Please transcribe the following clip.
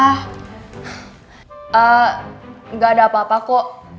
ehh gak ada apa apa kok